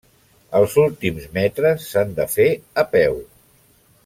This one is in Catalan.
Els últims metres s'han de fer a peu.